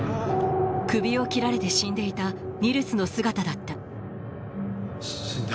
首を切られて死んでいたニルスの姿だった死んだ。